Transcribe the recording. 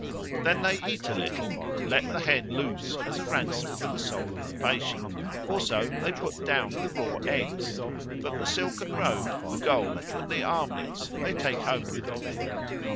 Then they eat a little and let the hen loose as a ransom for the soul of the patient; also they put down the raw eggs; but the silken robe, the gold, and the armlets they take home with them.